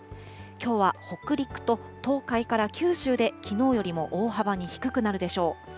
きょうは北陸と東海から九州できのうよりも大幅に低くなるでしょう。